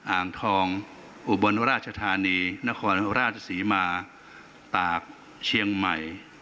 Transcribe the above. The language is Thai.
อ่างทองอุบลราชธานีนครราชศรีมาตากเชียงใหม่